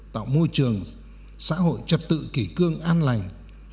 tạo môi trường xã hội trật tự kỷ cương an lành